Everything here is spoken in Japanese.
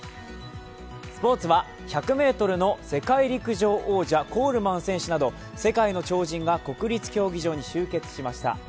スポーツは１００ｍの世界王者、コールマン選手など世界の超人が国立競技場に終結しました。